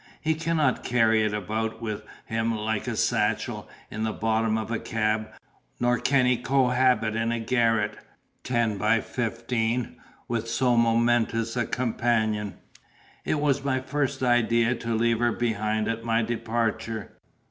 He cannot carry it about with him, like a satchel, in the bottom of a cab, nor can he cohabit in a garret, ten by fifteen, with so momentous a companion. It was my first idea to leave her behind at my departure.